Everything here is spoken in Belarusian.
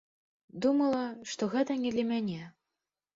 Думала, што гэта не для мяне.